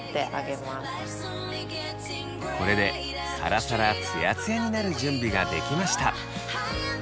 これでサラサラツヤツヤになる準備ができました。